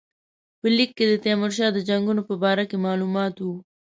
په لیک کې د تیمورشاه د جنګونو په باره کې معلومات وو.